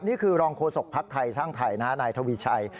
นี่คือรองโฆษกภักดิ์ไทยสร้างไทยนายทวีชัย